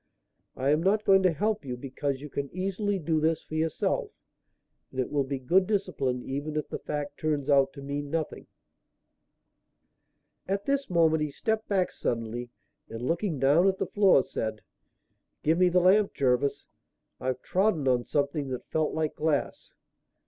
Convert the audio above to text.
I am not going to help you, because you can easily do this for yourself. And it will be good discipline even if the fact turns out to mean nothing." At this moment he stepped back suddenly, and, looking down at the floor, said: "Give me the lamp, Jervis, I've trodden on something that felt like glass."